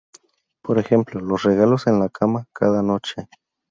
Por ejemplo los regalos en la cama cada noche.